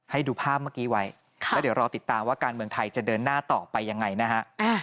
ให้ดูภาพเมื่อกี้ไว้แล้วเดี๋ยวรอติดตามว่าการเมืองไทยจะเดินหน้าต่อไปยังไงนะฮะ